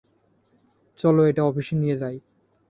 চলো এটা অফিসে নিয়ে যায়।